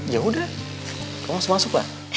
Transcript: ya udah langsung masuk lah